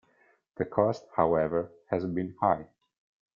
The cost, however, has been high.